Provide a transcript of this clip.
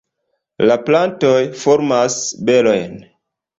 La plantoj formas berojn.